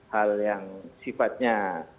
hal yang sifatnya